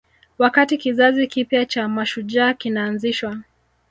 Wakati kizazi kipya cha mashujaa kinaanzishwa